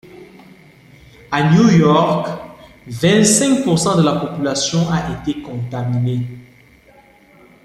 À New-York, vingt-cinq pour-cent de la population a été contaminée.